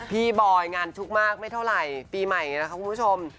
บอยงานชุกมากไม่เท่าไหร่ปีใหม่นะคะคุณผู้ชม